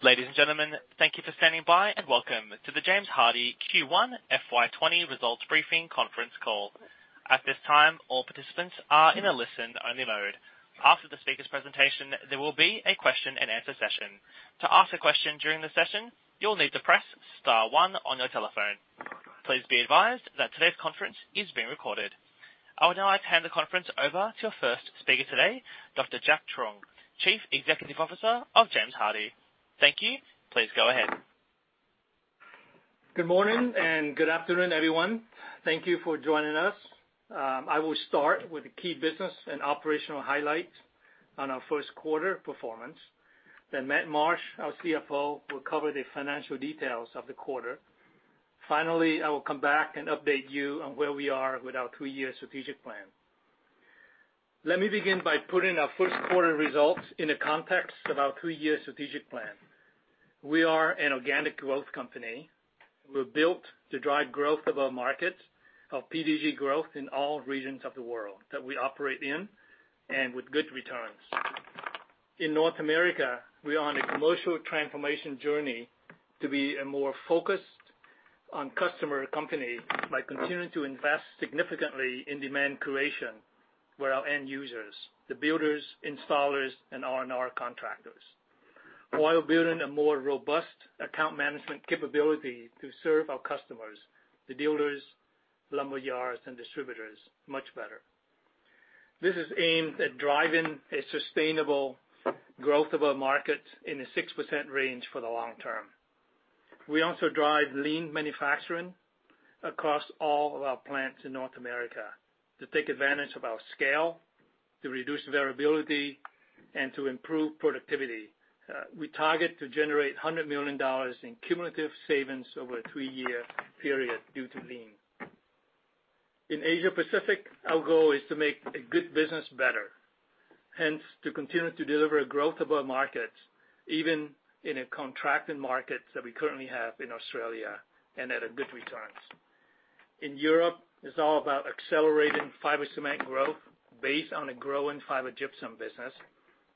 Ladies and gentle men, thank you for standing by, and welcome to the James Hardie Q1 FY 2020 Results Briefing conference call. At this time, all participants are in a listen-only mode. After the speaker's presentation, there will be a question-and-answer session. To ask a question during the session, you'll need to press star one on your telephone. Please be advised that today's conference is being recorded. I would now like to hand the conference over to our first speaker today, Dr. Jack Truong, Chief Executive Officer of James Hardie. Thank you. Please go ahead. Good morning, and good afternoon, everyone. Thank you for joining us. I will start with the key business and operational highlights on our first quarter performance. Then Matt Marsh, our CFO, will cover the financial details of the quarter. Finally, I will come back and update you on where we are with our three-year strategic plan. Let me begin by putting our first quarter results in the context of our three-year strategic plan. We are an organic growth company. We're built to drive growth above markets, our PDG growth in all regions of the world that we operate in, and with good returns. In North America, we are on a commercial transformation journey to be a more focused on customer company by continuing to invest significantly in demand creation with our end users, the builders, installers, and R&R contractors, while building a more robust account management capability to serve our customers, the dealers, lumberyards, and distributors, much better. This is aimed at driving a sustainable growth of our markets in the 6% range for the long term. We also drive lean manufacturing across all of our plants in North America to take advantage of our scale, to reduce variability, and to improve productivity. We target to generate $100 million in cumulative savings over a three-year period due to lean. In Asia Pacific, our goal is to make a good business better, hence, to continue to deliver a growth above markets, even in a contracting market that we currently have in Australia and at a good returns. In Europe, it's all about accelerating fiber cement growth based on a growing fiber gypsum business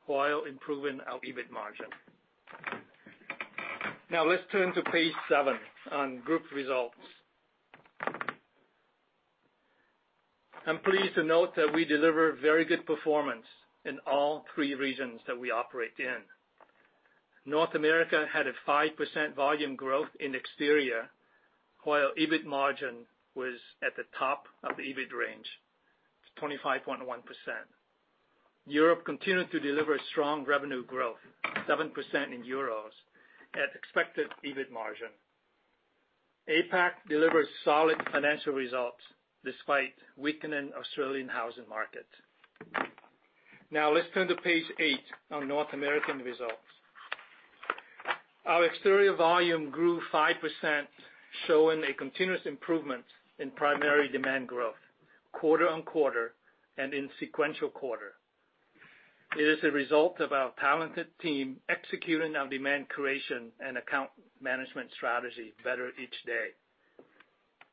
while improving our EBIT margin. Now, let's turn to page seven on group results. I'm pleased to note that we deliver very good performance in all three regions that we operate in. North America had a 5% volume growth in exterior, while EBIT margin was at the top of the EBIT range, 25.1%. Europe continued to deliver strong revenue growth, 7% in euros, at expected EBIT margin. APAC delivered solid financial results despite weakening Australian housing market. Now, let's turn to page eight on North American results. Our exterior volume grew 5%, showing a continuous improvement in primary demand growth quarter on quarter and in sequential quarter. It is a result of our talented team executing our demand creation and account management strategy better each day.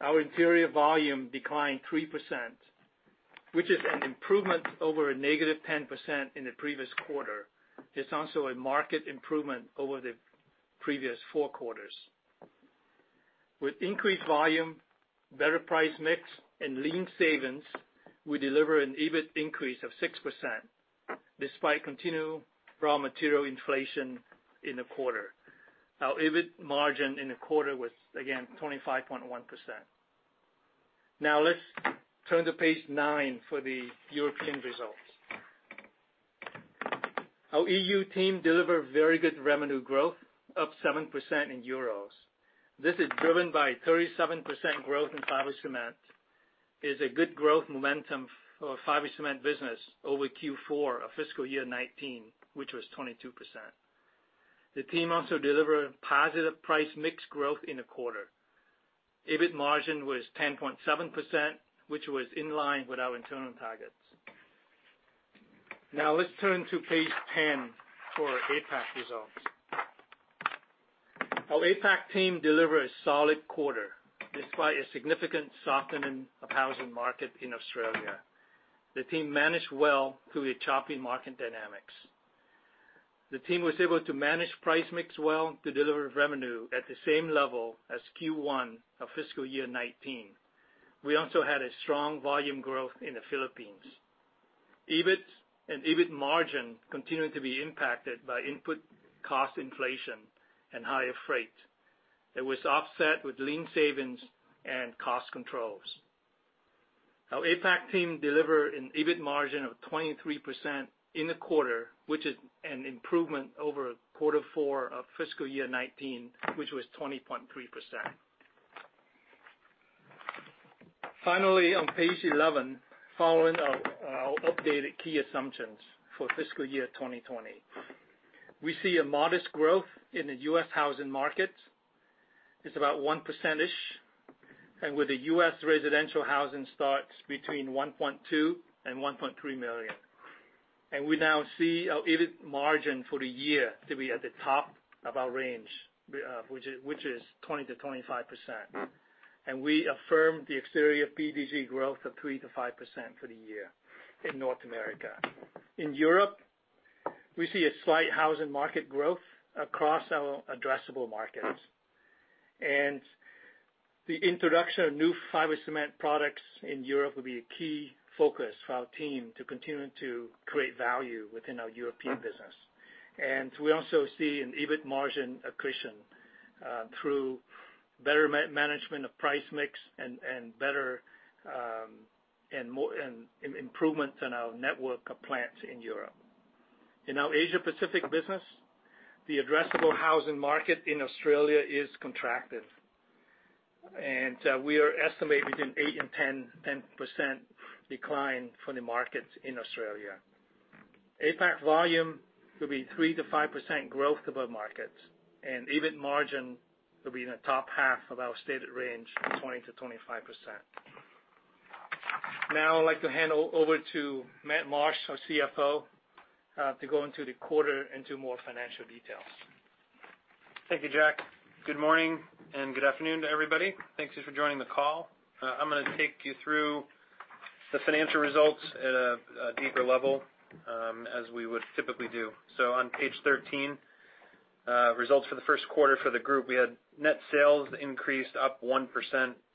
Our interior volume declined 3%, which is an improvement over a negative 10% in the previous quarter. It's also a market improvement over the previous four quarters. With increased volume, better price mix, and lean savings, we deliver an EBIT increase of 6%, despite continued raw material inflation in the quarter. Our EBIT margin in the quarter was, again, 25.1%. Now, let's turn to page nine for the European results. Our EU team delivered very good revenue growth, up 7% in euros. This is driven by 37% growth in fiber cement. It's a good growth momentum for our fiber cement business over Q4 of fiscal year 2019, which was 22%. The team also delivered positive price mix growth in the quarter. EBIT margin was 10.7%, which was in line with our internal targets. Now, let's turn to page 10 for our APAC results. Our APAC team delivered a solid quarter, despite a significant softening of housing market in Australia. The team managed well through a choppy market dynamics. The team was able to manage price mix well to deliver revenue at the same level as Q1 of fiscal year 2019. We also had a strong volume growth in the Philippines. EBIT and EBIT margin continued to be impacted by input cost inflation and higher freight. It was offset with lean savings and cost controls. Our APAC team delivered an EBIT margin of 23% in the quarter, which is an improvement over quarter four of fiscal year 2019, which was 20.3%. Finally, on page 11, following our updated key assumptions for fiscal year 2020. We see a modest growth in the U.S. housing market. It's about 1%, and with the U.S. residential housing starts between 1.2 and 1.3 million, and we now see our EBIT margin for the year to be at the top of our range, which is 20%-25%, and we affirm the exterior PDG growth of 3%-5% for the year in North America. In Europe, we see a slight housing market growth across our addressable markets. The introduction of new fiber cement products in Europe will be a key focus for our team to continue to create value within our European business. We also see an EBIT margin accretion through better management of price mix and better and more improvements in our network of plants in Europe. In our Asia Pacific business, the addressable housing market in Australia is contracted, and we are estimating between 8 and 10% decline for the markets in Australia. APAC volume will be 3-5% growth above markets, and EBIT margin will be in the top half of our stated range of 20-25%. Now I'd like to hand over to Matt Marsh, our CFO, to go into the quarter into more financial details. Thank you, Jack. Good morning, and good afternoon to everybody. Thank you for joining the call. I'm gonna take you through the financial results at a deeper level, as we would typically do. On page 13, results for the first quarter for the group, we had net sales increased up 1%,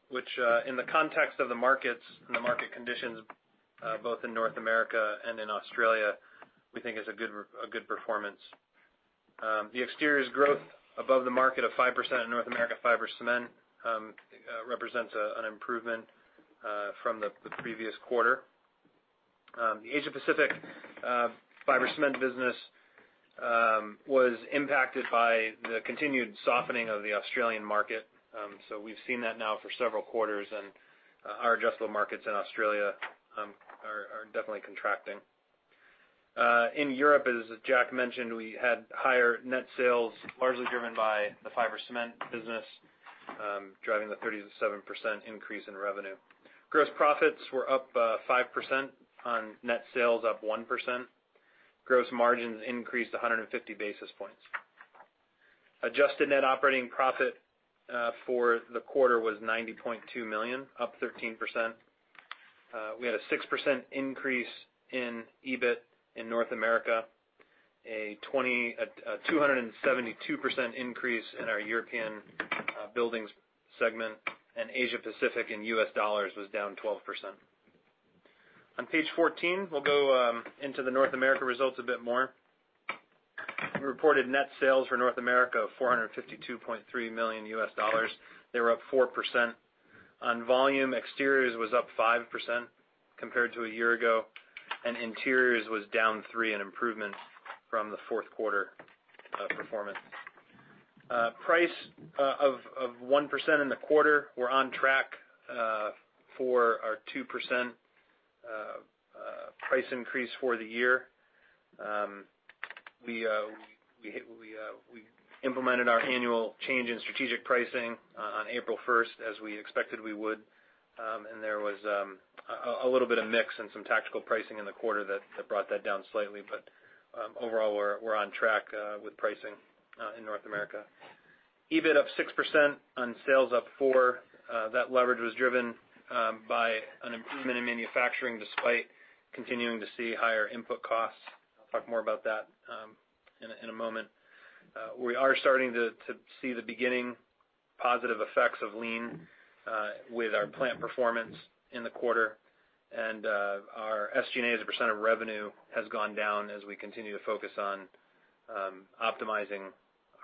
which, in the context of the markets and the market conditions, both in North America and in Australia, we think is a good performance. The exteriors growth above the market of 5% in North America Fiber Cement represents an improvement from the previous quarter. The Asia Pacific Fiber Cement business was impacted by the continued softening of the Australian market. So we've seen that now for several quarters, and our residential markets in Australia are definitely contracting. In Europe, as Jack mentioned, we had higher net sales, largely driven by the Fiber Cement business, driving the 37% increase in revenue. Gross profits were up 5% on net sales, up 1%. Gross margins increased a hundred and fifty basis points. Adjusted net operating profit for the quarter was $90.2 million, up 13%. We had a 6% increase in EBIT in North America, a 272% increase in our European buildings segment, and Asia Pacific in U.S. dollars was down 12%. On page 14, we'll go into the North America results a bit more. We reported net sales for North America of $452.3 million. They were up 4%. On volume, exteriors was up 5% compared to a year ago, and interiors was down 3%, an improvement from the fourth quarter performance. Price of 1% in the quarter, we're on track for our 2% price increase for the year. We implemented our annual change in strategic pricing on April first, as we expected we would. And there was a little bit of mix and some tactical pricing in the quarter that brought that down slightly, but overall, we're on track with pricing in North America. EBIT up 6% on sales up 4%, that leverage was driven by an improvement in manufacturing, despite continuing to see higher input costs. I'll talk more about that in a moment. We are starting to see the beginning positive effects of lean with our plant performance in the quarter, and our SG&A, as a % of revenue, has gone down as we continue to focus on optimizing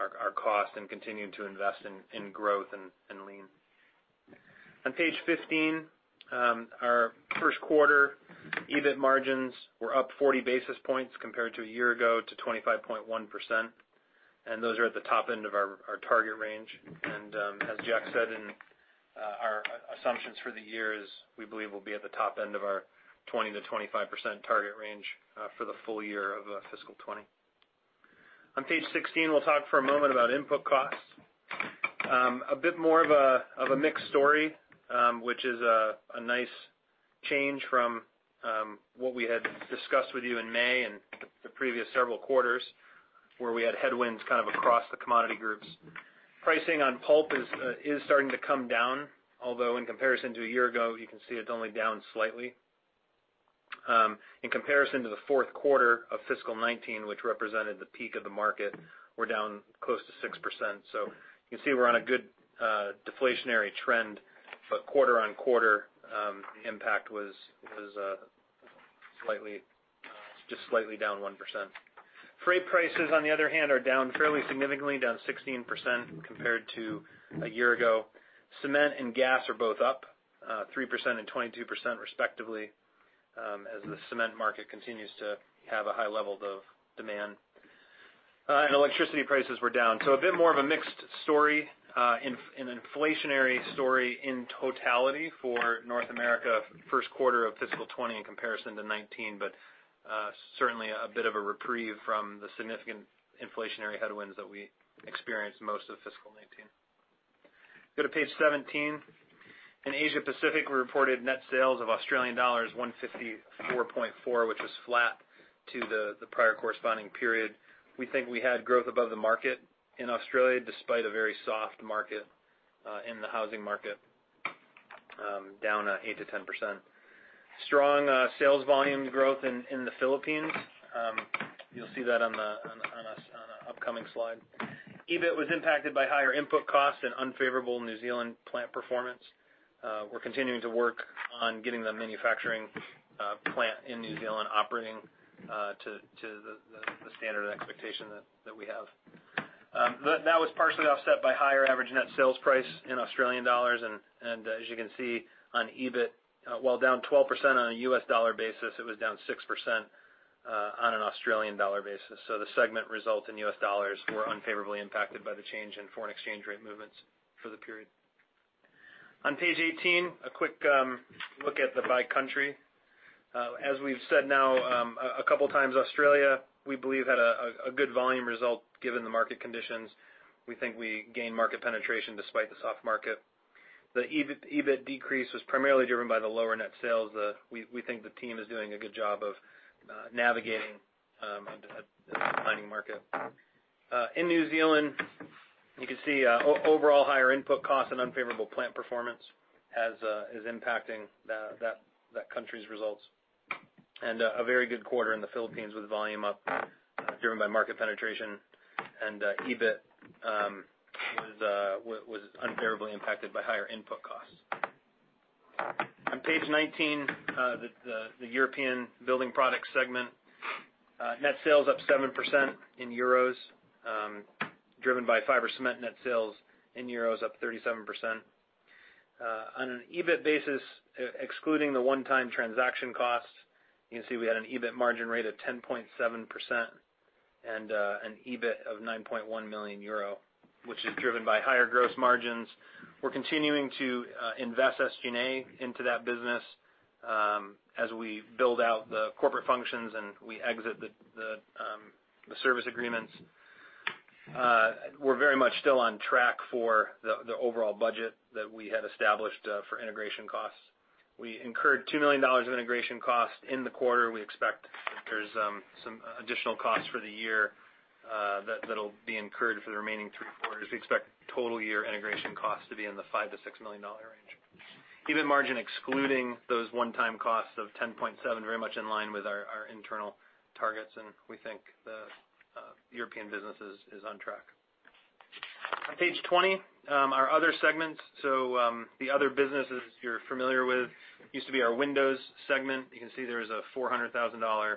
our costs and continuing to invest in growth and lean. On page 15, our first quarter EBIT margins were up 40 basis points compared to a year ago to 25.1%, and those are at the top end of our target range. As Jack said, in our assumptions for the year, we believe will be at the top end of our 20%-25% target range for the full year of fiscal 2020. On page 16, we'll talk for a moment about input costs. A bit more of a mixed story, which is a nice change from what we had discussed with you in May and the previous several quarters, where we had headwinds kind of across the commodity groups. Pricing on pulp is starting to come down, although in comparison to a year ago, you can see it's only down slightly. In comparison to the fourth quarter of fiscal 2019, which represented the peak of the market, we're down close to 6%. So you can see we're on a good, deflationary trend, but quarter on quarter, impact was slightly, just slightly down 1%. Freight prices, on the other hand, are down fairly significantly, down 16% compared to a year ago. Cement and gas are both up, 3% and 22% respectively, as the cement market continues to have a high level of demand. And electricity prices were down. So a bit more of a mixed story, in an inflationary story in totality for North America, first quarter of fiscal 2020 in comparison to 2019, but certainly a bit of a reprieve from the significant inflationary headwinds that we experienced most of fiscal 2019. Go to page seventeen. In Asia Pacific, we reported net sales of Australian dollars 154.4, which was flat to the prior corresponding period. We think we had growth above the market in Australia, despite a very soft market in the housing market, down 8%-10%. Strong sales volume growth in the Philippines. You'll see that on the upcoming slide. EBIT was impacted by higher input costs and unfavorable New Zealand plant performance. We're continuing to work on getting the manufacturing plant in New Zealand operating to the standard of expectation that we have. But that was partially offset by higher average net sales price in Australian dollars, and as you can see on EBIT, while down 12% on a US dollar basis, it was down 6% on an Australian dollar basis. So the segment results in US dollars were unfavorably impacted by the change in foreign exchange rate movements for the period. On page 18, a quick look at the by country. As we've said now, a couple of times, Australia, we believe, had a good volume result given the market conditions. We think we gained market penetration despite the soft market. The EBIT decrease was primarily driven by the lower net sales. We think the team is doing a good job of navigating a declining market. In New Zealand, you can see overall higher input costs and unfavorable plant performance is impacting that country's results, and a very good quarter in the Philippines, with volume up, driven by market penetration, and EBIT was unfavorably impacted by higher input costs. On page 19, the European Building Products segment net sales up 7% in euros, driven by fiber cement net sales in euros, up 37%. On an EBIT basis, excluding the one-time transaction costs, you can see we had an EBIT margin rate of 10.7% and an EBIT of 9.1 million euro, which is driven by higher gross margins. We're continuing to invest SG&A into that business, as we build out the corporate functions and we exit the service agreements. We're very much still on track for the overall budget that we had established for integration costs. We incurred $2 million of integration costs in the quarter. We expect there's some additional costs for the year, that that'll be incurred for the remaining three quarters. We expect total year integration costs to be in the $5-$6 million range. EBIT margin, excluding those one-time costs of 10.7%, very much in line with our internal targets, and we think the European business is on track. On page 20, our other segments. So, the other businesses you're familiar with, used to be our Windows segment. You can see there is a $400,000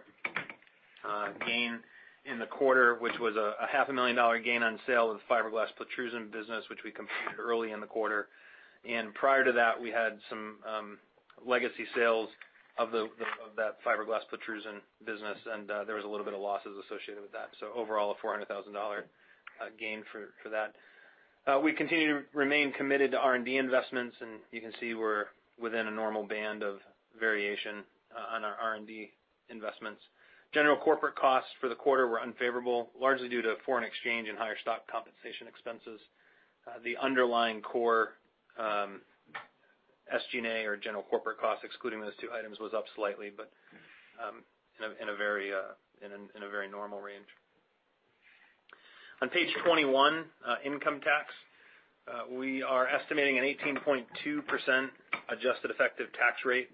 gain in the quarter, which was a $500,000 gain on sale of the fiberglass pultrusion business, which we completed early in the quarter. And prior to that, we had some legacy sales of that fiberglass pultrusion business, and there was a little bit of losses associated with that. So overall, a $400,000 gain for that. We continue to remain committed to R&D investments, and you can see we're within a normal band of variation on our R&D investments. General corporate costs for the quarter were unfavorable, largely due to foreign exchange and higher stock compensation expenses. The underlying core SG&A or general corporate costs, excluding those two items, was up slightly, but in a very normal range. On page 21, income tax. We are estimating an 18.2% adjusted effective tax rate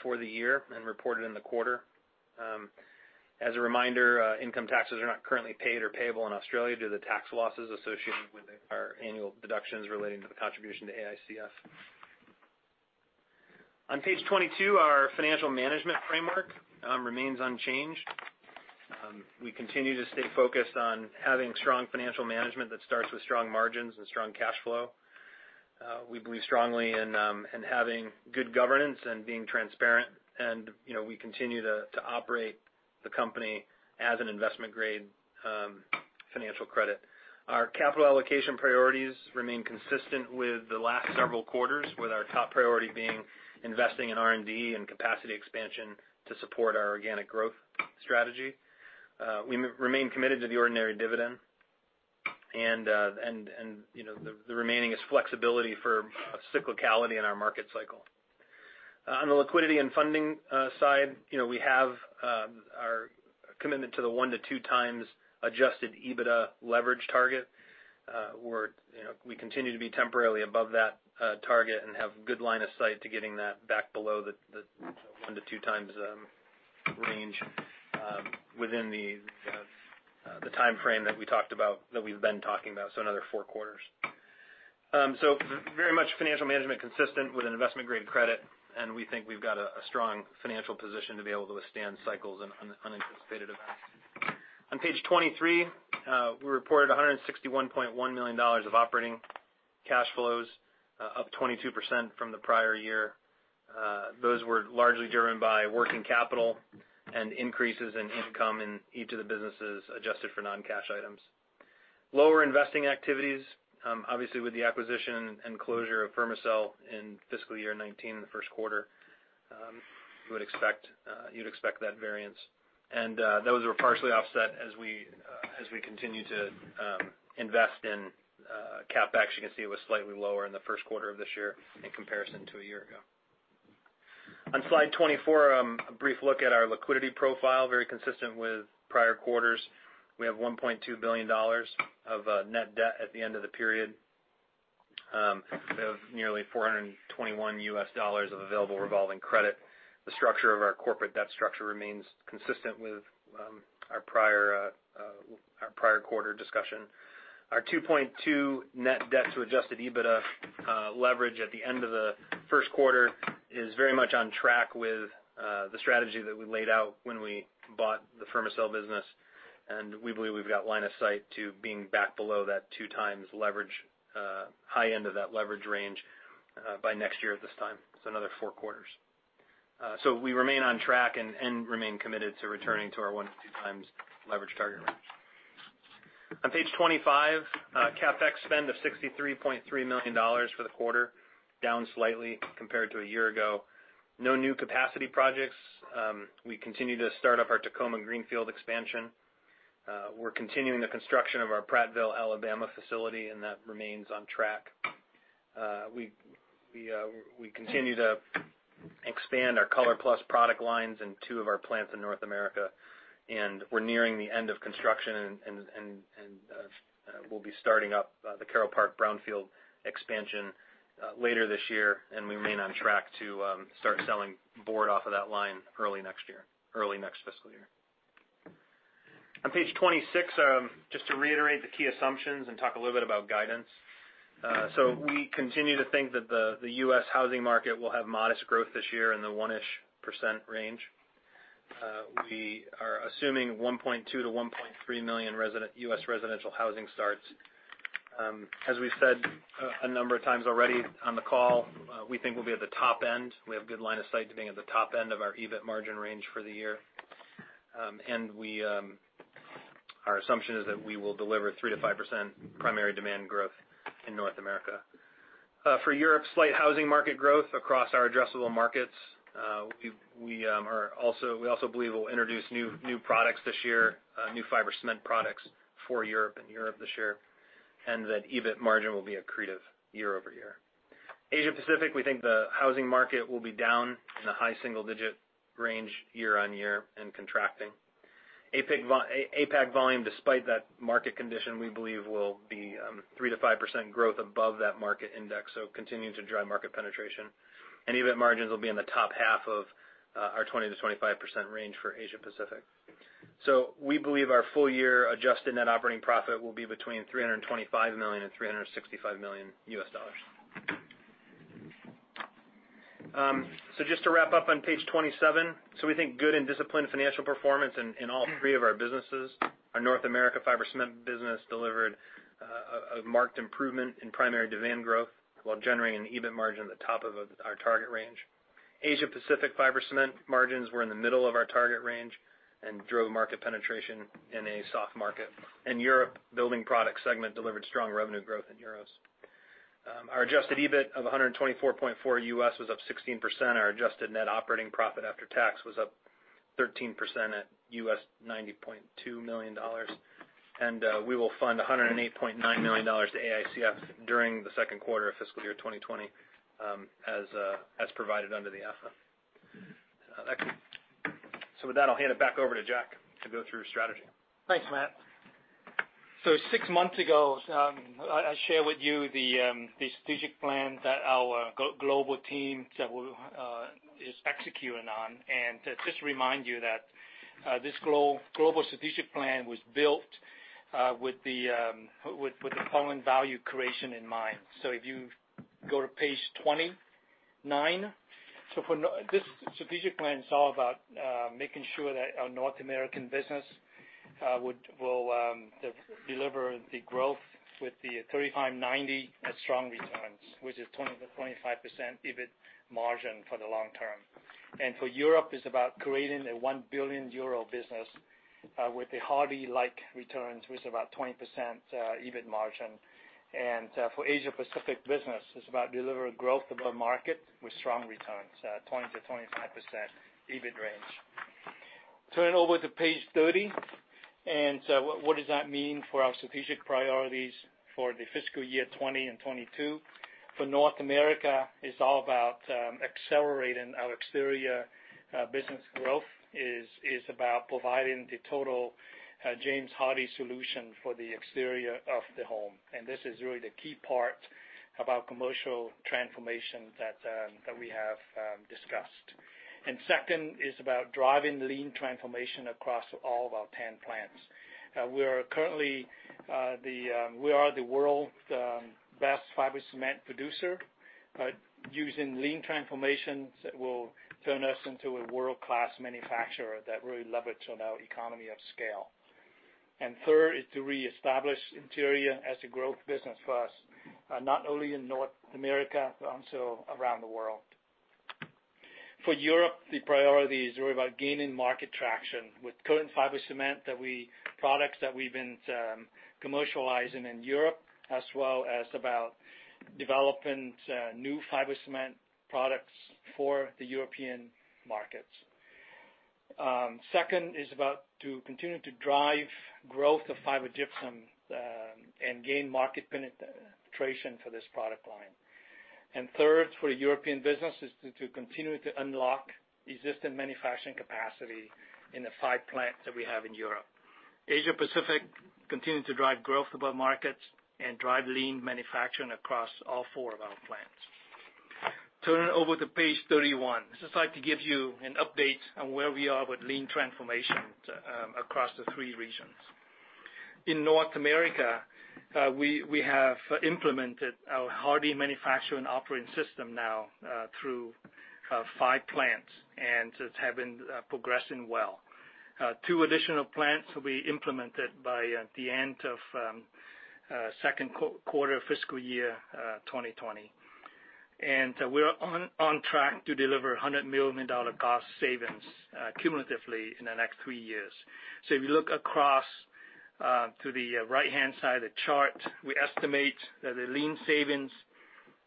for the year and reported in the quarter. As a reminder, income taxes are not currently paid or payable in Australia due to the tax losses associated with our annual deductions relating to the contribution to AICF. On page 22, our financial management framework remains unchanged. We continue to stay focused on having strong financial management that starts with strong margins and strong cash flow. We believe strongly in having good governance and being transparent, and, you know, we continue to operate the company as an investment-grade financial credit. Our capital allocation priorities remain consistent with the last several quarters, with our top priority being investing in R&D and capacity expansion to support our organic growth strategy. We remain committed to the ordinary dividend, and, you know, the remaining is flexibility for cyclicality in our market cycle. On the liquidity and funding side, you know, we have our commitment to the one to two times adjusted EBITDA leverage target. We're, you know, we continue to be temporarily above that target and have good line of sight to getting that back below the one to two times range within the timeframe that we talked about, that we've been talking about, so another four quarters. So very much financial management consistent with an investment-grade credit, and we think we've got a strong financial position to be able to withstand cycles and unanticipated events. On page 23, we reported $161.1 million of operating cash flows, up 22% from the prior year. Those were largely driven by working capital and increases in income in each of the businesses, adjusted for non-cash items. Lower investing activities, obviously, with the acquisition and closure of Fermacell in fiscal year 2019, in the first quarter. You would expect that variance. And those were partially offset as we continue to invest in CapEx. You can see it was slightly lower in the first quarter of this year in comparison to a year ago. On Slide 24, a brief look at our liquidity profile, very consistent with prior quarters. We have $1.2 billion of net debt at the end of the period. We have nearly $421 million of available revolving credit. The structure of our corporate debt structure remains consistent with our prior quarter discussion. Our 2.2 net debt to adjusted EBITDA leverage at the end of the first quarter is very much on track with the strategy that we laid out when we bought the Fermacell business, and we believe we've got line of sight to being back below that two times leverage, high end of that leverage range, by next year at this time. So another four quarters. So we remain on track and remain committed to returning to our 1-2 times leverage target range. On page 25, CapEx spend of $63.3 million for the quarter, down slightly compared to a year ago. No new capacity projects. We continue to start up our Tacoma Greenfield expansion. We're continuing the construction of our Prattville, Alabama, facility, and that remains on track. We continue to expand our ColorPlus product lines in two of our plants in North America, and we're nearing the end of construction and we'll be starting up the Carole Park Brownfield expansion later this year, and we remain on track to starts selling board off of that line early next year, early next fiscal year. On page twenty-six, just to reiterate the key assumptions and talk a little bit about guidance. So we continue to think that the US housing market will have modest growth this year in the 1-ish% range. We are assuming 1.2-1.3 million US residential housing starts. As we said, a number of times already on the call, we think we'll be at the top end. We have good line of sight to being at the top end of our EBIT margin range for the year. And our assumption is that we will deliver 3%-5% primary demand growth in North America. For Europe, slight housing market growth across our addressable markets. We also believe we'll introduce new fiber cement products for Europe, in Europe this year, and that EBIT margin will be accretive year over year. Asia Pacific, we think the housing market will be down in the high single-digit range year-on-year and contracting. APAC volume, despite that market condition, we believe will be 3-5% growth above that market index, so continuing to drive market penetration. EBIT margins will be in the top half of our 20-25% range for Asia Pacific. We believe our full year adjusted net operating profit will be between $325 million and $365 million. Just to wrap up on page 27. We think good and disciplined financial performance in all three of our businesses. Our North America Fiber Cement business delivered a marked improvement in primary demand growth, while generating an EBIT margin at the top of our target range. Asia Pacific Fiber Cement margins were in the middle of our target range and drove market penetration in a soft market. In Europe, Building Products segment delivered strong revenue growth in euros. Our adjusted EBIT of $124.4 million was up 16%, our adjusted net operating profit after tax was up 13% at $90.2 million. We will fund $108.9 million to AICF during the second quarter of fiscal year 2020, as provided under the AFA. So with that, I'll hand it back over to Jack to go through strategy. Thanks, Matt. So six months ago, I shared with you the strategic plan that our global team is executing on. And just to remind you that this global strategic plan was built with the permanent value creation in mind. So if you go to page 29. This strategic plan is all about making sure that our North American business will deliver the growth with the 35/90 strong returns, which is 20%-25% EBIT margin for the long term. And for Europe, it's about creating a 1 billion euro business with the Hardie-like returns, which is about 20% EBIT margin. And for Asia Pacific business, it's about delivering growth above market with strong returns 20%-25% EBIT range. Turn over to page thirty, and so what, what does that mean for our strategic priorities for the fiscal year 2020 and 2022? For North America, it's all about accelerating our exterior business growth. It is about providing the total James Hardie solution for the exterior of the home. And this is really the key part about commercial transformation that that we have discussed. And second is about driving lean transformation across all of our ten plants. We are currently the world's best fiber cement producer using lean transformations that will turn us into a world-class manufacturer that really leverages on our economy of scale. And third is to reestablish interior as a growth business for us not only in North America, but also around the world. For Europe-... The priorities are about gaining market traction with current fiber cement products that we've been commercializing in Europe, as well as about developing new fiber cement products for the European markets. Second is about to continue to drive growth of fiber gypsum and gain market penetration for this product line. And third, for the European business, is to continue to unlock existing manufacturing capacity in the five plants that we have in Europe. Asia Pacific, continue to drive growth above markets and drive lean manufacturing across all four of our plants. Turning to page 31. Just like to give you an update on where we are with lean transformation across the three regions. In North America, we have implemented our Hardie Manufacturing Operating System now through five plants, and it's progressing well. Two additional plants will be implemented by the end of second quarter fiscal year 2020. And we're on track to deliver $100 million cost savings cumulatively in the next three years. So if you look across to the right-hand side of the chart, we estimate that the Lean savings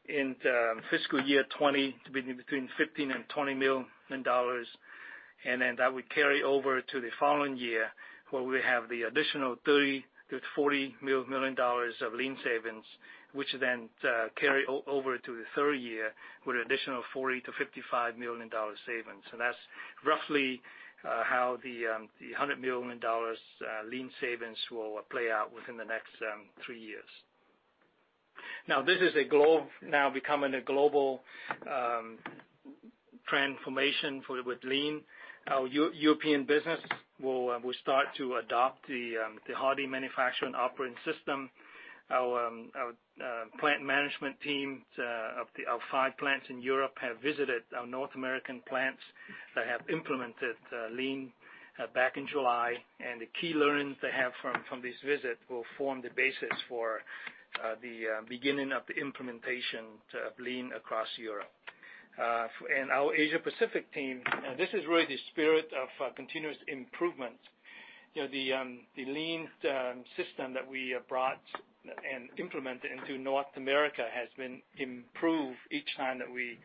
in fiscal year 2020 to be between $15 and $20 million, and then that will carry over to the following year, where we have the additional $30-$40 million of Lean savings, which then carry over to the third year, with an additional $40-$55 million savings. And that's roughly how the $100 million Lean savings will play out within the next three years. Now, this is a globe, now becoming a global transformation with Lean. Our European business will start to adopt the Hardie Manufacturing Operating System. Our plant management teams of our five plants in Europe have visited our North America plants that have implemented lean back in July, and the key learnings they have from this visit will form the basis for the beginning of the implementation of lean across Europe. And our Asia Pacific team, this is really the spirit of continuous improvement. You know, the lean system that we brought and implemented into North America has been improved each time that we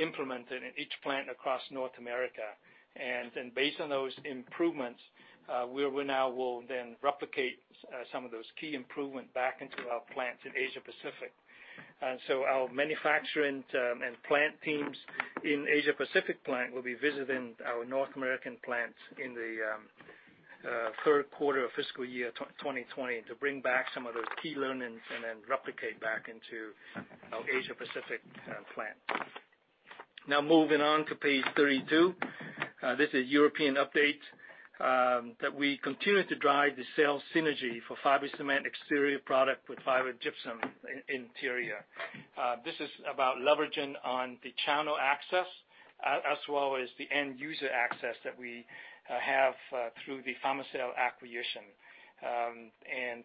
implemented in each plant across North America. And then based on those improvements, we now will then replicate some of those key improvement back into our plants in Asia Pacific. And so our manufacturing and plant teams in Asia Pacific plants will be visiting our North American plants in the third quarter of fiscal year twenty twenty to bring back some of those key learnings and then replicate back into our Asia Pacific plant. Now moving on to page thirty-two. This is Europe update that we continue to drive the sales synergy for fiber cement Exterior product with Fiber Gypsum Interior. This is about leveraging on the channel access as well as the end user access that we have through the Fermacell acquisition. And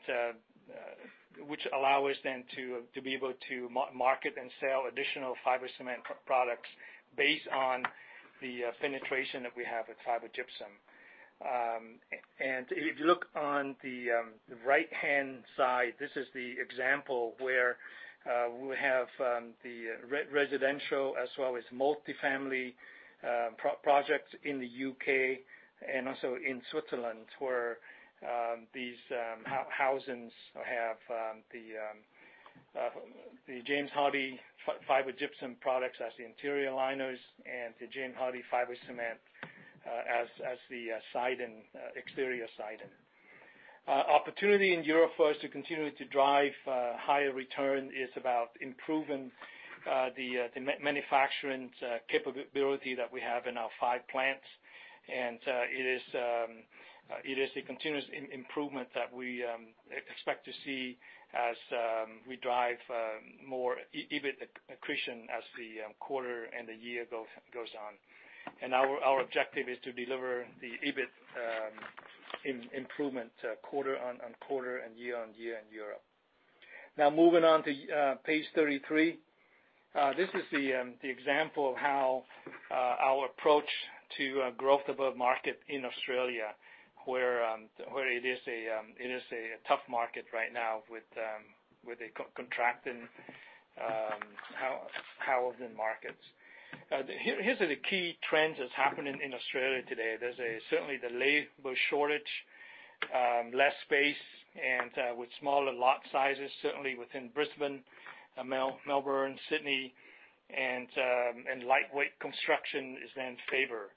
which allow us then to be able to market and sell additional fiber cement products based on the penetration that we have with fiber gypsum. And if you look on the right-hand side, this is the example where we have the residential as well as multifamily projects in the U.K. and also in Switzerland, where these housings have the James Hardie fiber gypsum products as the interior liners and the James Hardie fiber cement as the siding, exterior siding. Opportunity in Europe for us to continue to drive higher return is about improving the manufacturing capability that we have in our five plants. And it is a continuous improvement that we expect to see as we drive more EBIT accretion as the quarter and the year goes on. Our objective is to deliver the EBIT improvement quarter on quarter and year on year in Europe. Now, moving on to page 33. This is the example of how our approach to growth above market in Australia, where it is a tough market right now with contracting housing markets. Here are the key trends that's happening in Australia today. There's certainly a labor shortage, less space, and with smaller lot sizes, certainly within Brisbane, Melbourne, Sydney, and lightweight construction is in favor.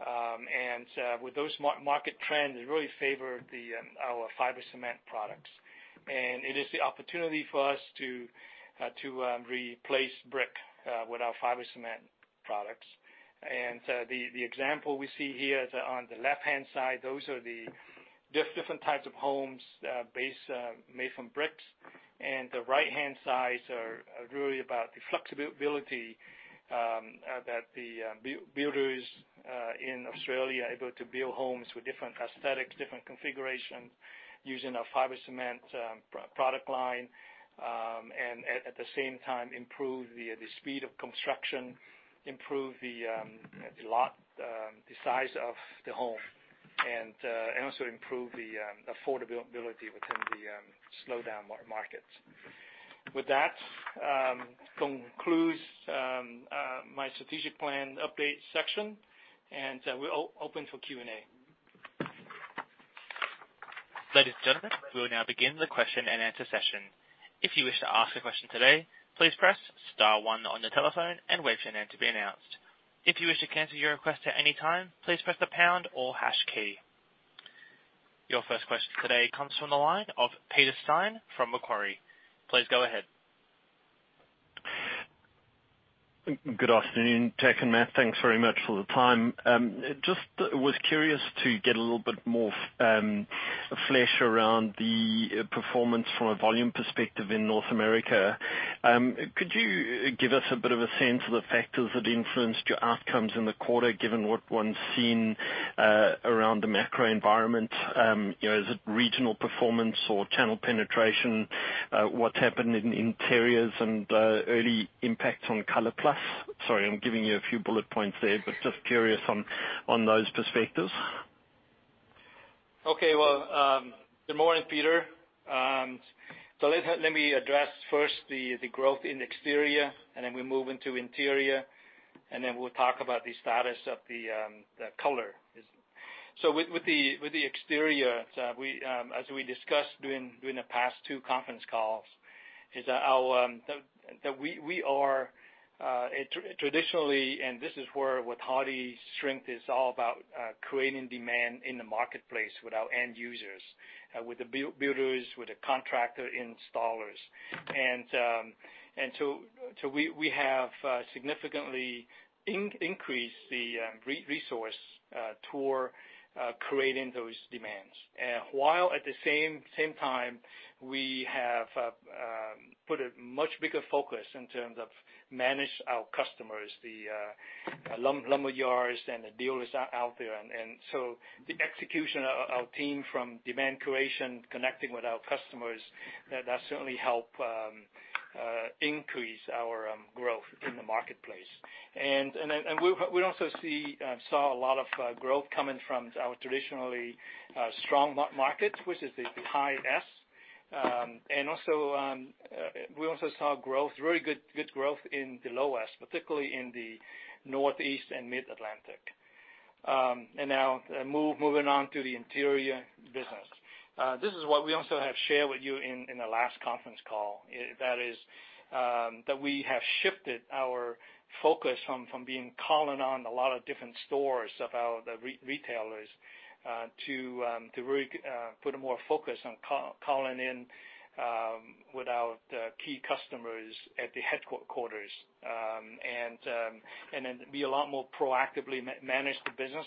And with those market trends, it really favor our fiber cement products. And it is the opportunity for us to replace brick with our fiber cement products. And the example we see here, on the left-hand side, those are the different types of homes brick-based made from bricks, and the right-hand sides are really about the flexibility that the builders in Australia able to build homes with different aesthetics, different configuration, using a fiber cement product line, and at the same time, improve the speed of construction, improve the lot size of the home, and also improve the affordability within the slowdown markets. With that concludes my strategic plan update section, and we're open for Q&A. Ladies and gentlemen, we will now begin the question-and-answer session. If you wish to ask a question today, please press star one on your telephone and wait for your name to be announced. If you wish to cancel your request at any time, please press the pound or hash key. Your first question today comes from the line of Peter Steyn from Macquarie. Please go ahead. Good afternoon, Jack and Matt. Thanks very much for the time. Just was curious to get a little bit more flesh around the performance from a volume perspective in North America. Could you give us a bit of a sense of the factors that influenced your outcomes in the quarter, given what one's seen around the macro environment? You know, is it regional performance or channel penetration? What's happened in interiors and early impacts on ColorPlus? Sorry, I'm giving you a few bullet points there, but just curious on those perspectives. Okay. Well, good morning, Peter. So let me address first the growth in exterior, and then we move into interior, and then we'll talk about the status of the color. So with the exterior, we, as we discussed during the past two conference calls, is that we are traditionally, and this is where Hardie's strength is all about, creating demand in the marketplace with our end users, with the builders, with the contractor installers. And so we have significantly increased the resource toward creating those demands. While at the same time, we have put a much bigger focus in terms of manage our customers, the lumberyards and the dealers out there. And so the execution of our team from demand creation, connecting with our customers, that certainly help increase our growth in the marketplace. And then we also saw a lot of growth coming from our traditionally strong markets, which is the high S. And also, we also saw very good growth in the low S, particularly in the Northeast and Mid-Atlantic. And now moving on to the interior business. This is what we also have shared with you in the last conference call, that is, that we have shifted our focus from calling on a lot of different stores of our retailers to really put more focus on calling in with our key customers at the headquarters. And then be a lot more proactively manage the business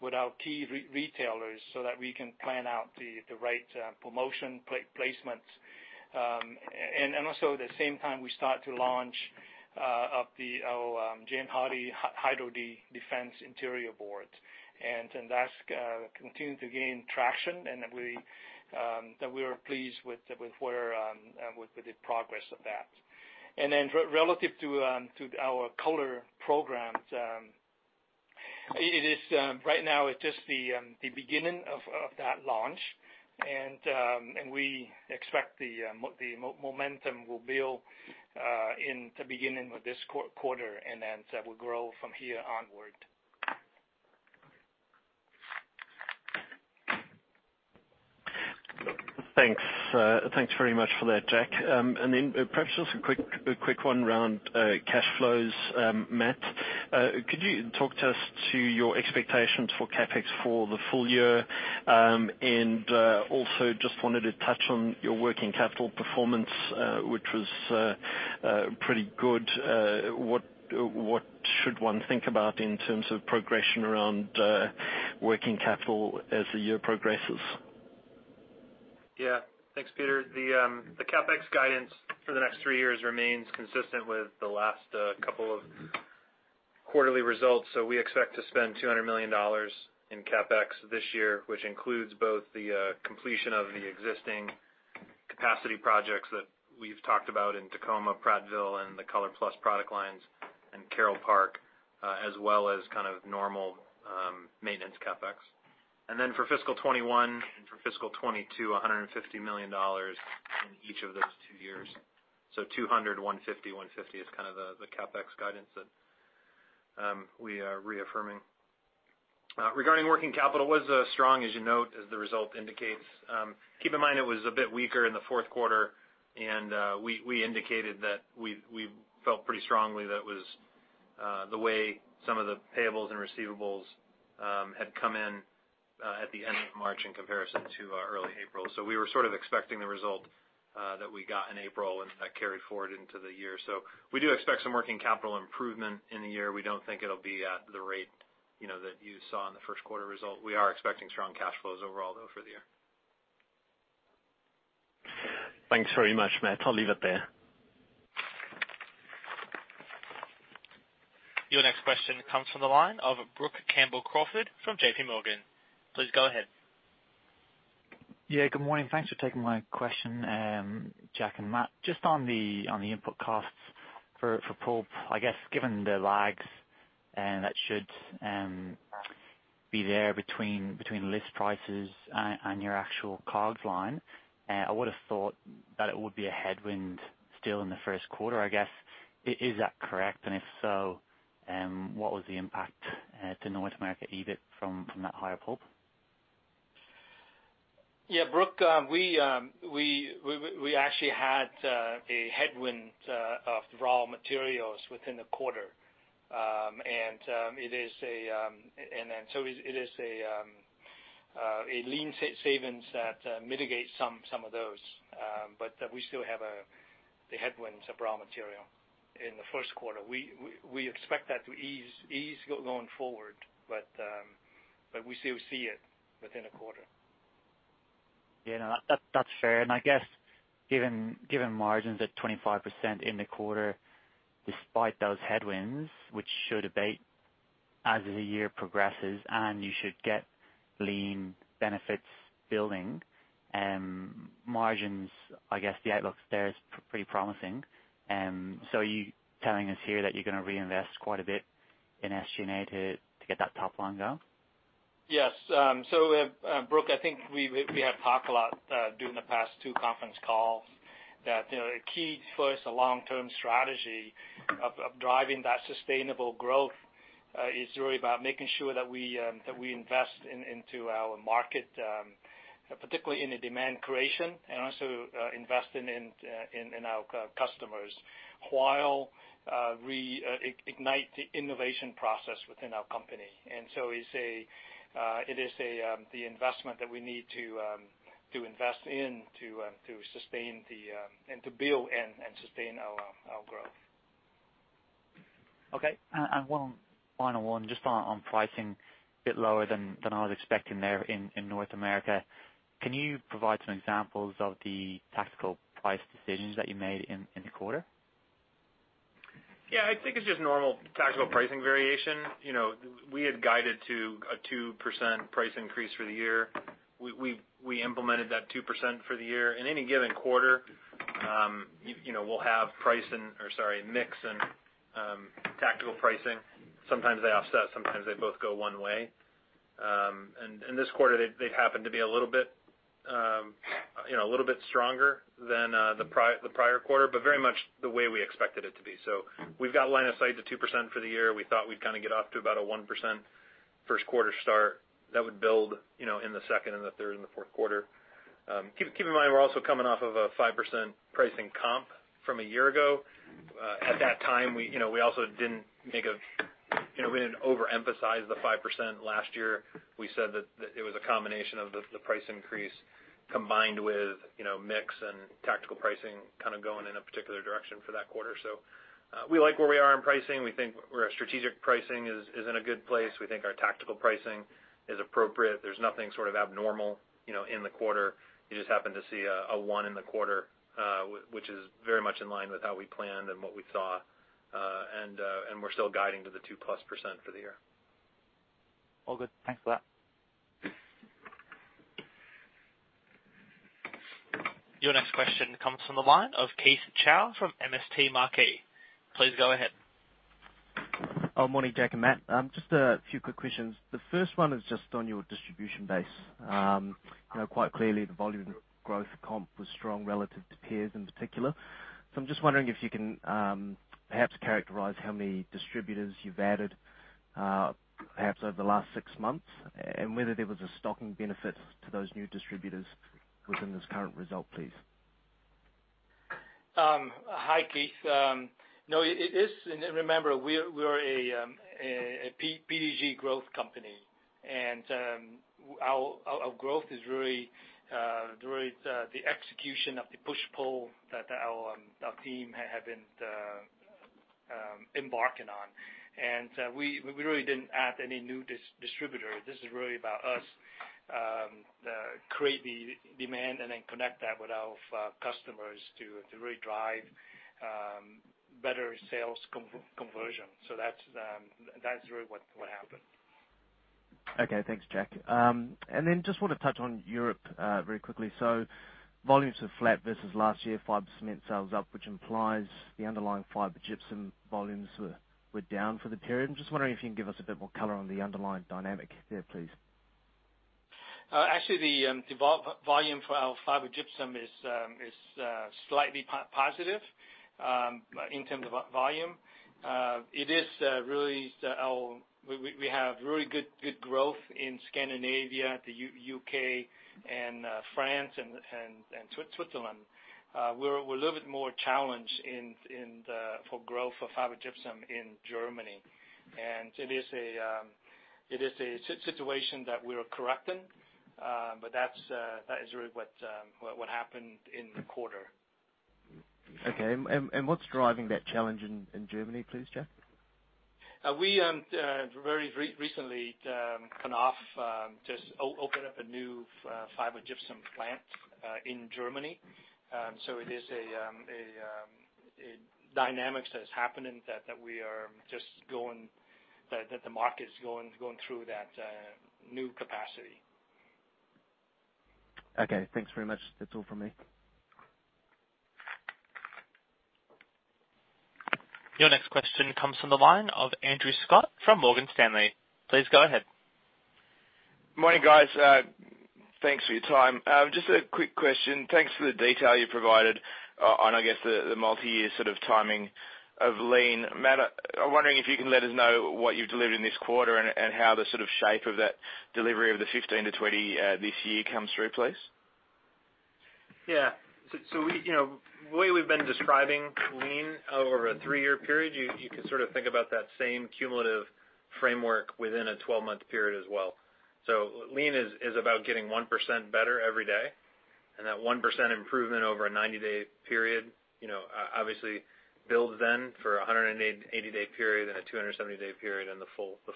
with our key retailers, so that we can plan out the right promotion placements. And also, at the same time, we start to launch of our James Hardie HydroDefense interior boards. And that's continue to gain traction, and we are pleased with where with the progress of that. And then, relative to our color program, it is right now. It's just the beginning of that launch. And we expect the momentum will build in the beginning of this quarter, and then that will grow from here onward. Thanks. Thanks very much for that, Jack. And then perhaps just a quick one around cash flows, Matt. Could you talk to us about your expectations for CapEx for the full year? And also just wanted to touch on your working capital performance, which was pretty good. What should one think about in terms of progression around working capital as the year progresses? Yeah. Thanks, Peter. The CapEx guidance for the next three years remains consistent with the last couple of quarterly results. We expect to spend $200 million in CapEx this year, which includes both the completion of the existing capacity projects that we've talked about in Tacoma, Prattville, and the ColorPlus product lines and Carole Park, as well as kind of normal maintenance CapEx. For fiscal 2021 and for fiscal 2022, $150 million in each of those two years. 200, 150, 150 is kind of the CapEx guidance that we are reaffirming. Regarding working capital, it was strong, as you note, as the result indicates. Keep in mind, it was a bit weaker in the fourth quarter, and we indicated that we felt pretty strongly that was the way some of the payables and receivables had come in at the end of March in comparison to early April. We were sort of expecting the result that we got in April, and that carried forward into the year. We do expect some working capital improvement in the year. We don't think it'll be at the rate, you know, that you saw in the first quarter result. We are expecting strong cash flows overall, though, for the year.... Thanks very much, Matt. I'll leave it there. Your next question comes from the line of Brook Campbell-Crawford from JPMorgan. Please go ahead. Yeah, good morning. Thanks for taking my question, Jack and Matt. Just on the input costs for pulp, I guess, given the lags, and that should be there between list prices and your actual COGS line. I would have thought that it would be a headwind still in the first quarter, I guess. Is that correct? And if so, what was the impact to North America EBIT from that higher pulp? Yeah, Brooke, we actually had a headwind of raw materials within the quarter. And then so it is a lean savings that mitigate some of those. But we still have the headwinds of raw material in the first quarter. We expect that to ease going forward, but we still see it within a quarter. Yeah, no, that's fair, and I guess, given margins at 25% in the quarter, despite those headwinds, which should abate as the year progresses and you should get Lean benefits building, margins, I guess the outlook there is pretty promising. So are you telling us here that you're gonna reinvest quite a bit in SG&A to get that top line down? Yes. So, Brooke, I think we have talked a lot during the past two conference calls that you know a key for us a long-term strategy of driving that sustainable growth is really about making sure that we invest into our market particularly in the demand creation and also investing in our customers while we ignite the innovation process within our company. And so it's a it is a the investment that we need to invest in to sustain the and to build and sustain our growth. Okay. And one final one, just on pricing, a bit lower than I was expecting there in North America. Can you provide some examples of the tactical price decisions that you made in the quarter? Yeah, I think it's just normal tactical pricing variation. You know, we had guided to a 2% price increase for the year. We implemented that 2% for the year. In any given quarter, you know, we'll have price and, or sorry, mix and tactical pricing. Sometimes they offset, sometimes they both go one way, and in this quarter, they happened to be a little bit stronger than the prior quarter, but very much the way we expected it to be. So we've got line of sight to 2% for the year. We thought we'd kind of get off to about a 1% first quarter start that would build, you know, in the second and the third and the fourth quarter. Keep in mind, we're also coming off of a 5% pricing comp from a year ago. At that time, you know, we didn't overemphasize the 5% last year. We said that it was a combination of the price increase combined with, you know, mix and tactical pricing kind of going in a particular direction for that quarter. So, we like where we are in pricing. We think our strategic pricing is in a good place. We think our tactical pricing is appropriate. There's nothing sort of abnormal, you know, in the quarter. You just happen to see a one in the quarter, which is very much in line with how we planned and what we saw, and we're still guiding to the 2% for the year. All good. Thanks for that. Your next question comes from the line of Keith Chau from MST Marquee. Please go ahead. Oh, morning, Jack and Matt. Just a few quick questions. The first one is just on your distribution base. You know, quite clearly, the volume growth comp was strong relative to peers in particular. So I'm just wondering if you can perhaps characterize how many distributors you've added, perhaps over the last six months, and whether there was a stocking benefit to those new distributors within this current result, please. Hi, Keith. No, it is. Remember, we are a PDG growth company, and our growth is really the execution of the push-pull that our team have been embarking on. We really didn't add any new distributor. This is really about us create the demand and then connect that with our customers to really drive better sales conversion. So that's really what happened. Okay. Thanks, Jack. And then just want to touch on Europe very quickly. So volumes are flat versus last year, fiber cement sales up, which implies the underlying fiber gypsum volumes were down for the period. I'm just wondering if you can give us a bit more color on the underlying dynamic there, please. Actually, the volume for our fiber gypsum is slightly positive in terms of volume. It is really we have really good growth in Scandinavia, the U.K., and France, and Switzerland. We're a little bit more challenged for growth of fiber gypsum in Germany, and it is a situation that we are correcting, but that's that is really what happened in the quarter.... Okay, and what's driving that challenge in Germany, please, Jack? We very recently kind of just opened up a new fiber gypsum plant in Germany, so it is a dynamics that is happening that we are just going, that the market is going through that new capacity. Okay, thanks very much. That's all from me. Your next question comes from the line of Andrew Scott from Morgan Stanley. Please go ahead. Morning, guys. Thanks for your time. Just a quick question. Thanks for the detail you provided on, I guess, the multi-year sort of timing of Lean. Matt, I'm wondering if you can let us know what you've delivered in this quarter and how the sort of shape of that delivery of the 15-20 this year comes through, please? Yeah. So we, you know, the way we've been describing Lean over a 3-year period, you can sort of think about that same cumulative framework within a 12-month period as well. So Lean is about getting 1% better every day, and that 1% improvement over a 90-day period, you know, obviously builds then for a 180-day period and a 270-day period and the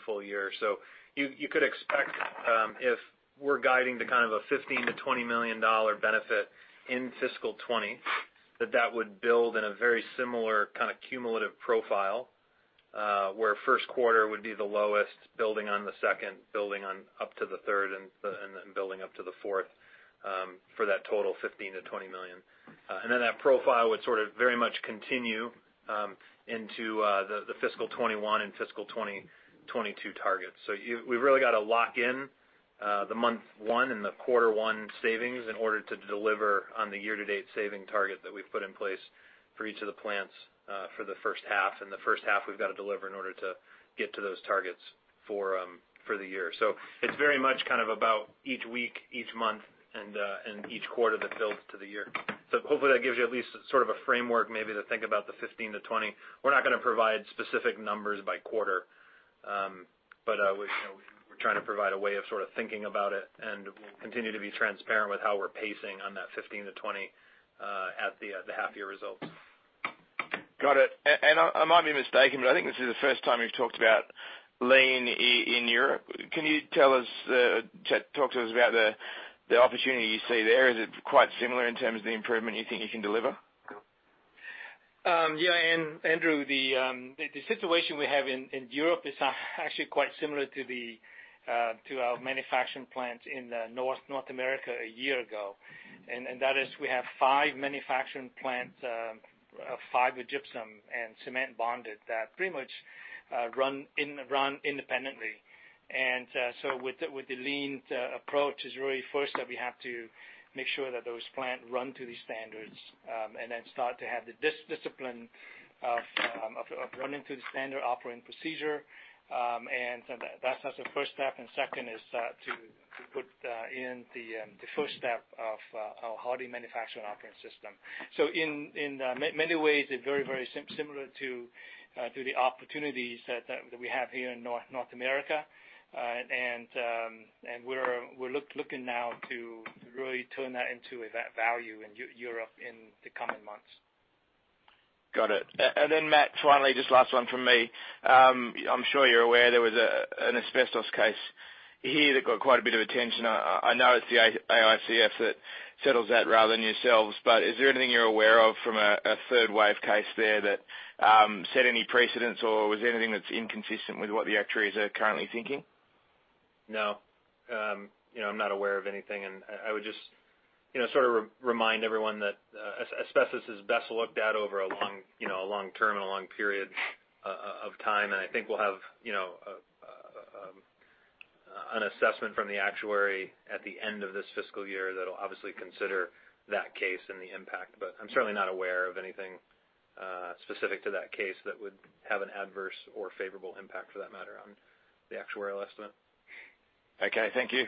full year. So you could expect, if we're guiding to kind of a $15-20 million benefit in fiscal 2020, that that would build in a very similar kind of cumulative profile, where first quarter would be the lowest, building on the second, building on up to the third, and then building up to the fourth, for that total $15-20 million. And then that profile would sort of very much continue into the fiscal 2021 and fiscal 2022 targets. So we've really got to lock in the month one and the quarter one savings in order to deliver on the year-to-date saving target that we've put in place for each of the plants for the first half. And the first half we've got to deliver in order to get to those targets for the year. So it's very much kind of about each week, each month, and each quarter that builds to the year. So hopefully, that gives you at least sort of a framework maybe to think about the 15-20. We're not gonna provide specific numbers by quarter, but you know, we're trying to provide a way of sort of thinking about it, and we'll continue to be transparent with how we're pacing on that 15 to 20 at the half year results. Got it. And I might be mistaken, but I think this is the first time you've talked about Lean in Europe. Can you tell us, Jack, talk to us about the opportunity you see there? Is it quite similar in terms of the improvement you think you can deliver? Yeah, Andrew, the situation we have in Europe is actually quite similar to our manufacturing plants in North America a year ago. That is, we have five manufacturing plants, fiber gypsum and cement bonded, that pretty much run independently. So with the Lean approach, is really first that we have to make sure that those plant run to the standards, and then start to have the discipline of running through the standard operating procedure. So that, that's the first step, and second is to put in the first step of our Hardie Manufacturing Operating System. In many ways, it's very, very similar to the opportunities that we have here in North America. We're looking now to really turn that into a value in Europe in the coming months. Got it. And then, Matt, finally, just last one from me. I'm sure you're aware there was an asbestos case here that got quite a bit of attention. I know it's the AICF that settles that rather than yourselves, but is there anything you're aware of from a third wave case there that set any precedents, or was there anything that's inconsistent with what the actuaries are currently thinking? No. You know, I'm not aware of anything, and I would just, you know, sort of remind everyone that asbestos is best looked at over a long, you know, a long term and a long period of time. And I think we'll have, you know, an assessment from the actuary at the end of this fiscal year that'll obviously consider that case and the impact. But I'm certainly not aware of anything specific to that case that would have an adverse or favorable impact for that matter on the actuarial estimate. Okay, thank you.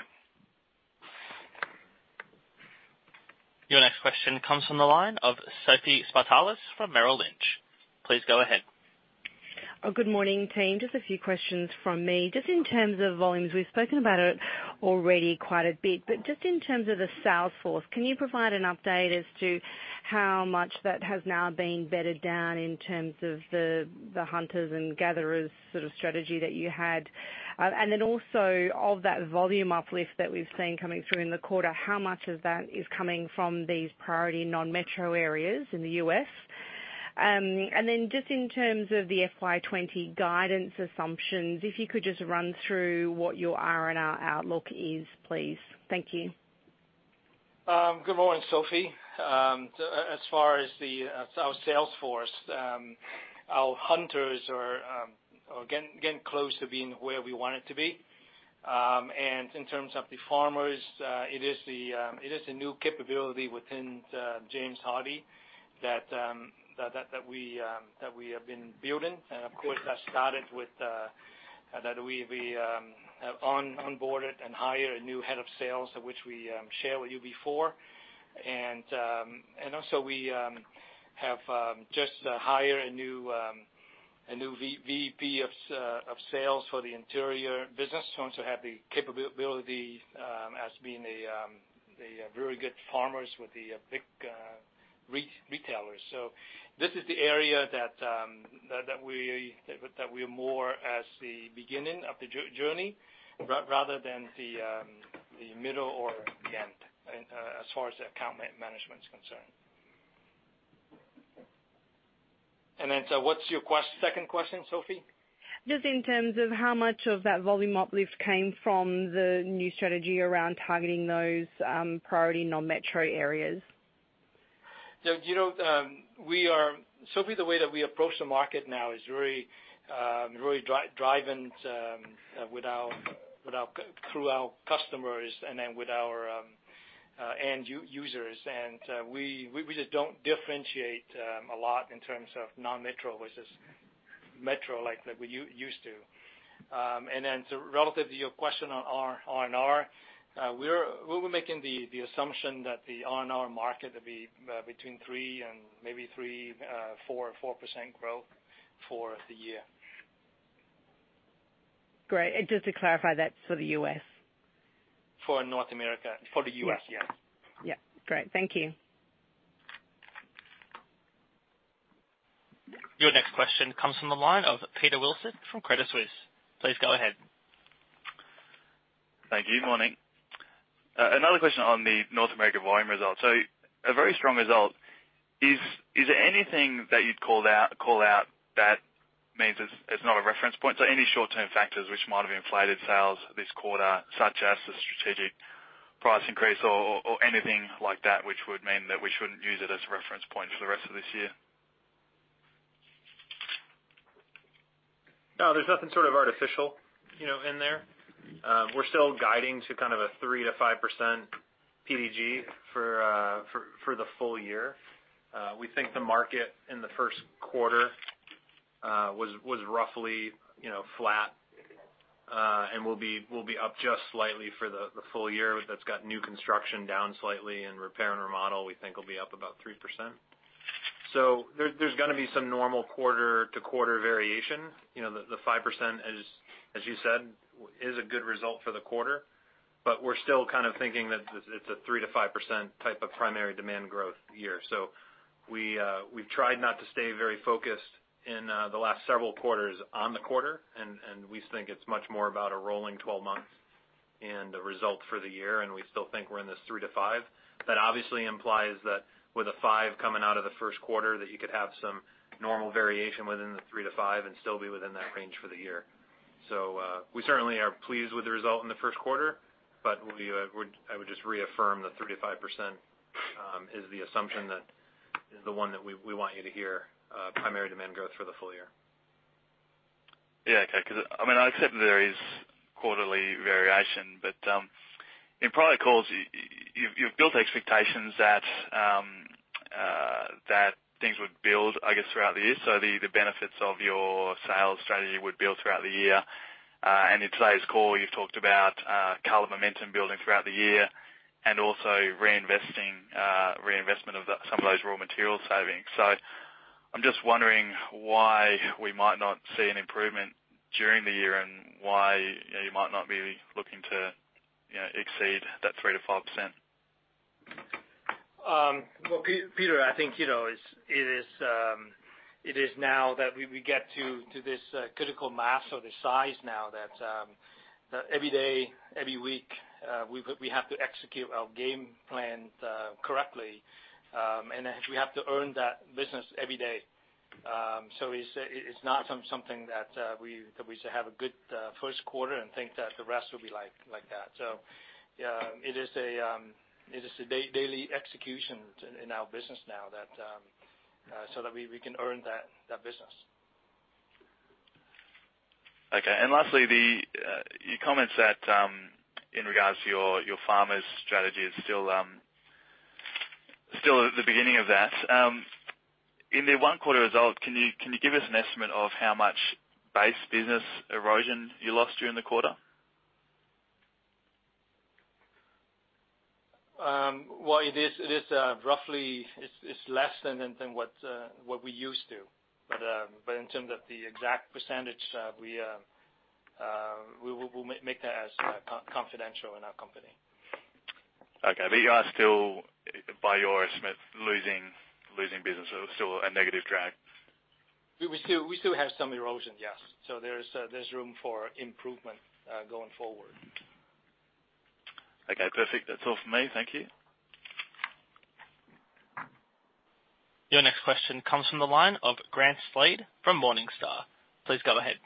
Your next question comes from the line of Sophie Spartalis from Merrill Lynch. Please go ahead. Good morning, team. Just a few questions from me. Just in terms of volumes, we've spoken about it already quite a bit, but just in terms of the sales force, can you provide an update as to how much that has now been bedded down in terms of the, the hunters and gatherers sort of strategy that you had? And then also, of that volume uplift that we've seen coming through in the quarter, how much of that is coming from these priority non-metro areas in the U.S.? And then just in terms of the FY twenty guidance assumptions, if you could just run through what your R&R outlook is, please. Thank you. Good morning, Sophie. As far as our sales force, our hunters are getting close to being where we want it to be. And in terms of the farmers, it is a new capability within James Hardie that we have been building. And of course, that started with that we onboarded and hire a new head of sales, which we share with you before. And also we have just hire a new VP of sales for the interior business, who also have the capability as being a very good farmers with the big retailers. This is the area that we are more as the beginning of the journey rather than the middle or the end, as far as the account management is concerned. Then, what's your second question, Sophie? Just in terms of how much of that volume uplift came from the new strategy around targeting those, priority non-metro areas? You know, Sophie, the way that we approach the market now is very really driven through our customers and then with our end users. We just don't differentiate a lot in terms of non-metro versus metro, like we used to. Relative to your question on R&R, we were making the assumption that the R&R market would be between 3% and 4% growth for the year. Great. And just to clarify, that's for the U.S.? For North America. For the U.S., yes. Yeah. Great. Thank you. Your next question comes from the line of Peter Wilson from Credit Suisse. Please go ahead. Thank you. Good morning. Another question on the North America volume results. So a very strong result. Is there anything that you'd call out that means it's not a reference point? So any short-term factors which might have inflated sales this quarter, such as the strategic price increase or anything like that, which would mean that we shouldn't use it as a reference point for the rest of this year? No, there's nothing sort of artificial, you know, in there. We're still guiding to kind of a 3-5% PDG for the full year. We think the market in the first quarter was roughly, you know, flat, and will be up just slightly for the full year. That's got new construction down slightly and repair and remodel, we think will be up about 3%. So there's gonna be some normal quarter to quarter variation. You know, the 5%, as you said, is a good result for the quarter, but we're still kind of thinking that it's a 3-5% type of primary demand growth year. So we've tried not to stay very focused in the last several quarters on the quarter, and we think it's much more about a rolling twelve months and the result for the year, and we still think we're in this 3%-5%. That obviously implies that with a 5% coming out of the first quarter, that you could have some normal variation within the 3%-5% and still be within that range for the year. So we certainly are pleased with the result in the first quarter, but I would just reaffirm the 3%-5% is the assumption that is the one that we want you to hear, primary demand growth for the full year. Yeah, okay, because, I mean, I accept there is quarterly variation, but in prior calls, you've built expectations that things would build, I guess, throughout the year. So the benefits of your sales strategy would build throughout the year. And in today's call, you've talked about color momentum building throughout the year and also reinvestment of some of those raw material savings. So I'm just wondering why we might not see an improvement during the year and why you might not be looking to, you know, exceed that 3%-5%. Well, Peter, I think, you know, it is now that we get to this critical mass or the size now, that every day, every week, we have to execute our game plan correctly, and we have to earn that business every day. So it's not something that we should have a good first quarter and think that the rest will be like that. So it is a daily execution in our business now so that we can earn that business. Okay. And lastly, your comments that in regards to your farmers strategy is still at the beginning of that. In the one quarter result, can you give us an estimate of how much base business erosion you lost during the quarter? Well, it is roughly. It's less than what we used to. But in terms of the exact percentage, we'll make that confidential in our company. Okay. But you are still, by your estimate, losing business, so still a negative drag? We still have some erosion, yes. So there's room for improvement going forward. Okay, perfect. That's all from me. Thank you. Your next question comes from the line of Grant Slade from Morningstar. Please go ahead.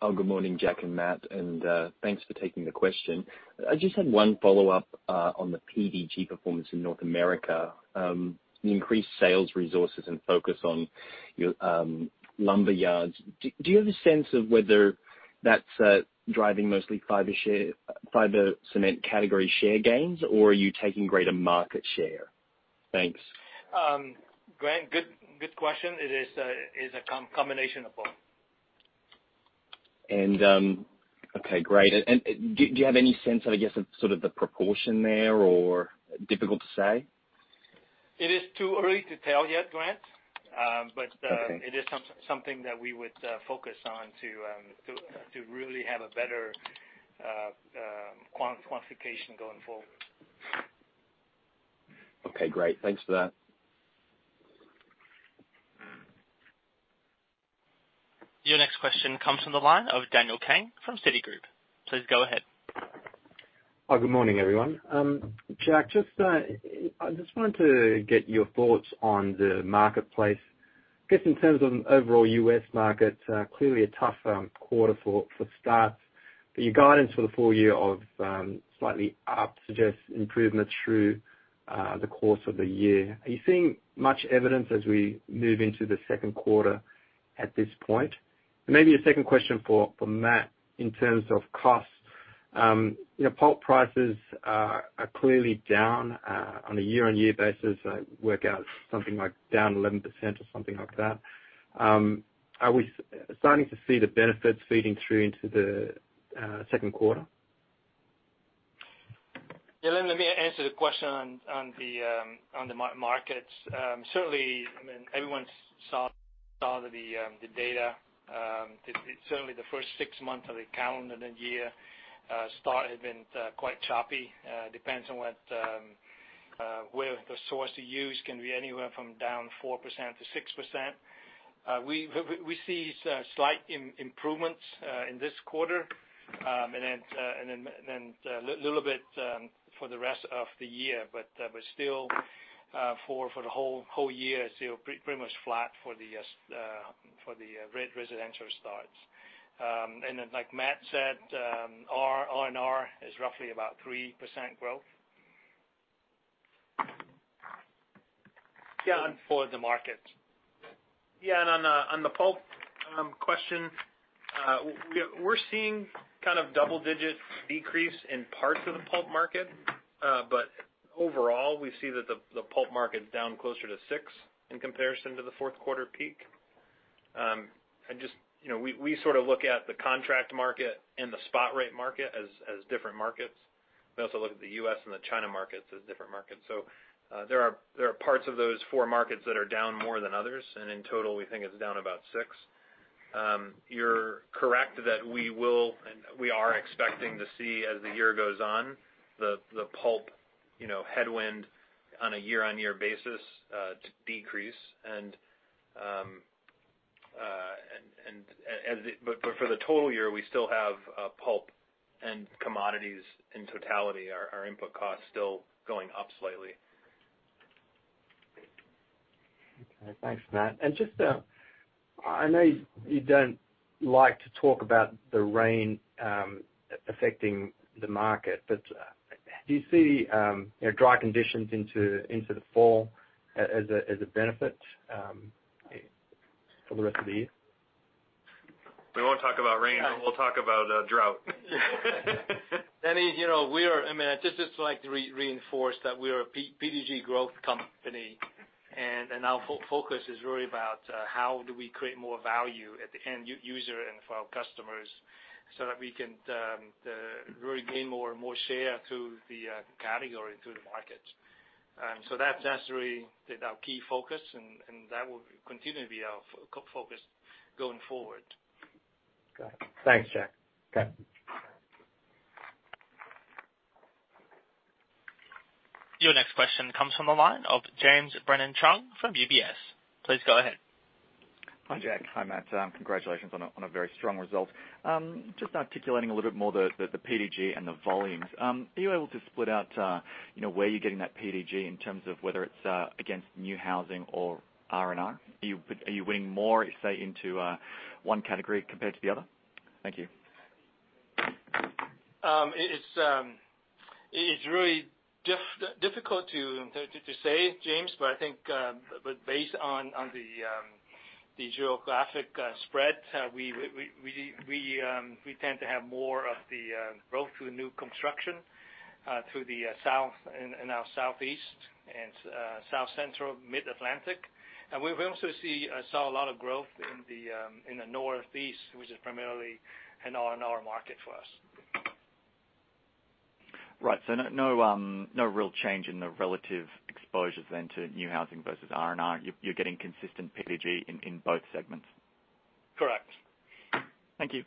Oh, good morning, Jack and Matt, and thanks for taking the question. I just had one follow-up on the PDG performance in North America. The increased sales resources and focus on your lumberyards. Do you have a sense of whether that's driving mostly fiber cement category share gains, or are you taking greater market share? Thanks. Grant, good, good question. It is a, it's a combination of both.... And, okay, great. And do you have any sense, I guess, of sort of the proportion there or difficult to say? It is too early to tell yet, Grant, but, Okay. It is something that we would focus on to really have a better quantification going forward. Okay, great. Thanks for that. Your next question comes from the line of Daniel Kang from Citigroup. Please go ahead. Hi, good morning, everyone. Jack, just, I just wanted to get your thoughts on the marketplace. I guess in terms of overall US market, clearly a tough quarter for start. But your guidance for the full year of slightly up suggests improvement through the course of the year. Are you seeing much evidence as we move into the second quarter at this point? And maybe a second question for Matt, in terms of costs. You know, pulp prices are clearly down on a year-on-year basis, work out something like down 11% or something like that. Are we starting to see the benefits feeding through into the second quarter? Yeah, let me answer the question on the markets. Certainly, I mean, everyone saw the data. It's certainly the first six months of the calendar year starts had been quite choppy. Depends on what source you use can be anywhere from down 4% to 6%. We see slight improvements in this quarter, and then, and then little bit for the rest of the year. But still, for the whole year, still pretty much flat for the residential starts. And then, like Matt said, our R&R is roughly about 3% growth. Yeah- For the market. Yeah, and on the, on the pulp question, we're seeing kind of double digit decrease in parts of the pulp market. But overall, we see that the pulp market is down closer to six in comparison to the fourth quarter peak. And just, you know, we sort of look at the contract market and the spot rate market as different markets. We also look at the U.S. and the China markets as different markets. So, there are parts of those four markets that are down more than others, and in total, we think it's down about six. You're correct that we will, and we are expecting to see, as the year goes on, the pulp headwind on a year-on-year basis to decrease. But for the total year, we still have pulp and commodities in totality, our input costs still going up slightly. Okay. Thanks, Matt. And just, I know you don't like to talk about the rain affecting the market, but, do you see, you know, dry conditions into the fall as a benefit for the rest of the year? We won't talk about rain, but we'll talk about drought. Danny, you know, we are. I mean, I just like to reinforce that we are a PDG growth company, and our focus is really about how do we create more value at the end user and for our customers, so that we can really gain more and more share to the category, to the market. And so that's actually our key focus, and that will continue to be our focus going forward. Got it. Thanks, Jack. Okay. Your next question comes from the line of James Brennan-Chung from UBS. Please go ahead. Hi, Jack. Hi, Matt. Congratulations on a very strong result. Just articulating a little bit more the PDG and the volumes. Are you able to split out, you know, where you're getting that PDG in terms of whether it's against new housing or R&R? Are you weighing more, say, into one category compared to the other? Thank you. It's really difficult to say, James, but I think, but based on the geographic spread, we tend to have more of the growth through new construction, through the South and our Southeast and South Central Mid-Atlantic, and we've also saw a lot of growth in the Northeast, which is primarily an R&R market for us. Right. So no, no, no real change in the relative exposures then to new housing versus R&R. You're getting consistent PDG in both segments? Correct. Thank you.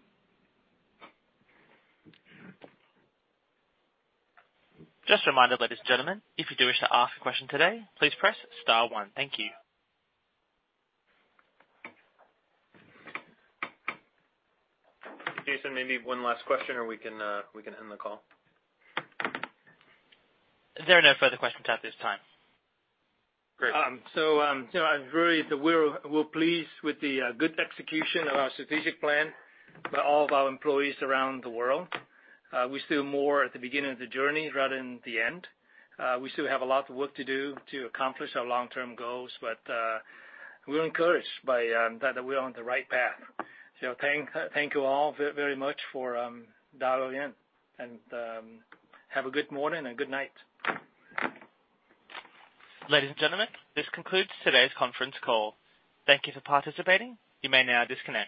Just a reminder, ladies and gentlemen, if you do wish to ask a question today, please press star one. Thank you. Jason, maybe one last question or we can, we can end the call. There are no further questions at this time. Great. So, you know, we're pleased with the good execution of our strategic plan by all of our employees around the world. We're still more at the beginning of the journey rather than the end. We still have a lot of work to do to accomplish our long-term goals, but we're encouraged by that we're on the right path. So thank you all very much for dialing in, and have a good morning and good night. Ladies and gentlemen, this concludes today's conference call. Thank you for participating. You may now disconnect.